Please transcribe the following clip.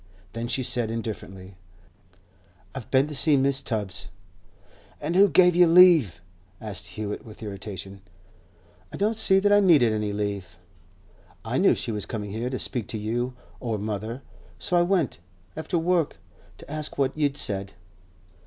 Then she said indifferently: 'I've been to see Mrs. Tubbs.' 'And who gave you leave?' asked Hewett with irritation. 'I don't see that I needed any leave. I knew she was coming here to speak to you or mother, so I went, after work, to ask what you'd said.